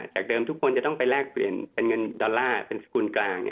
เดิมทุกคนจะต้องไปแลกเปลี่ยนเป็นเงินดอลลาร์เป็นสกุลกลาง